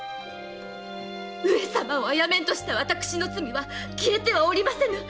上様を殺めんとした私の罪は消えてはおりませぬ！